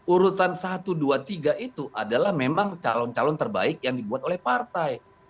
urutan satu dua tiga itu adalah memang calon calon terbaik yang dibuat oleh partai